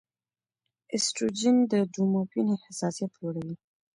ایسټروجن د ډوپامین حساسیت لوړوي.